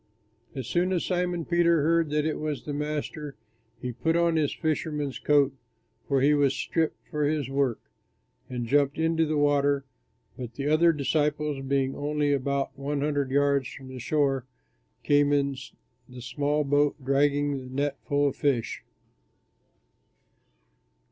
As soon as Simon Peter heard that it was the Master, he put on his fisherman's coat (for he was stripped for his work), and jumped into the water; but the other disciples, being only about one hundred yards from the shore, came in the small boat dragging the net full of fish.